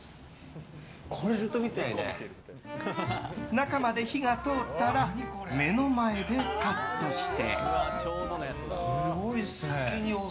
中まで火が通ったら目の前でカットして。